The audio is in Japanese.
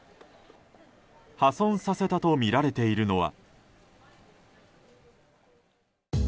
破損させたとみられているのは。